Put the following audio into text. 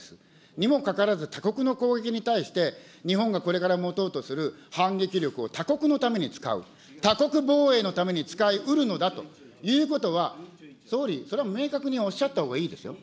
にもかかわらず、他国の攻撃に対して、日本がこれから持とうとする反撃力を他国のために使う、他国防衛のために使いうるのだということは、総理、それは明確におっしゃったほうがいいですよ。